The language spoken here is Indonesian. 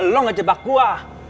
lo gak jebak gua